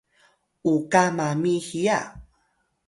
uka mami hiya